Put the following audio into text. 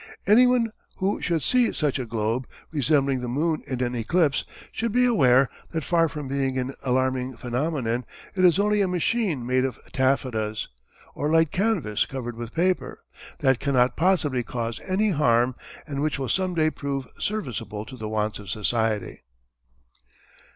Anyone who should see such a globe, resembling the moon in an eclipse, should be aware that far from being an alarming phenomenon it is only a machine made of taffetas, or light canvas covered with paper, that cannot possibly cause any harm and which will some day prove serviceable to the wants of society.